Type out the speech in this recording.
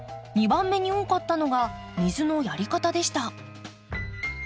２番目に多かったのが水のやり方でした。